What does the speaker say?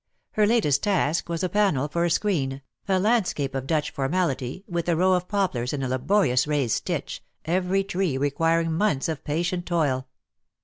Her latest task was a panel for a screen, a landscape of Dutch formality, with a row of poplars in a laborious raised stitch, every tree requiring months of patient toil.